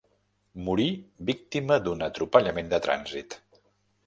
Morí víctima d'un atropellament de trànsit.